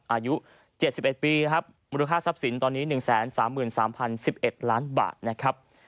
อายุ๗๑ปีครับมูลค่าทรัพย์สินตอนนี้๑๓๓๐๑๑ล้านบาทนะครับ